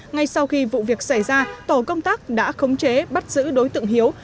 ngay sau khi vụ việc xảy ra tổ công tác đã khống chế bắt giữ đối tượng hiếu